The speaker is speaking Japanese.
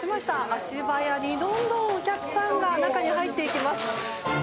足早に、どんどんお客さんが中に入っていきます。